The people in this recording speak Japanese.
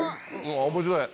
面白い！